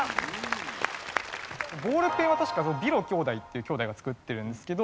ボールペンは確かビロ兄弟っていう兄弟が作ってるんですけど。